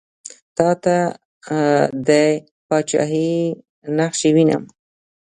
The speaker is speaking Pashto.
تاته د پاچهي نخښې وینم.